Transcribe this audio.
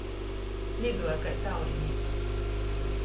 Liduoja kai taurineits.